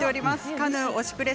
カヌー「推しプレ！」